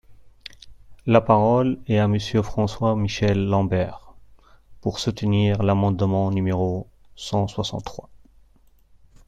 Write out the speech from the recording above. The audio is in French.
La parole est à Monsieur François-Michel Lambert, pour soutenir l’amendement numéro cent soixante-trois.